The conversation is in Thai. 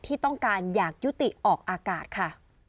ที่ต้องการอยากยุติออกอากาศค่ะ